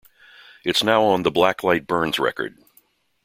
It's now on the Black Light Burns record.